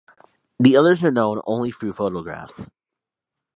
The others are known only through photographs.